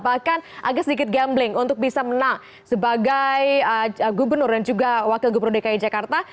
bahkan agak sedikit gambling untuk bisa menang sebagai gubernur dan juga wakil gubernur dki jakarta